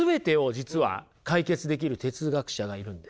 実は解決できる哲学者がいるんです。